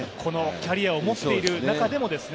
キャリアを持っている中でもですね。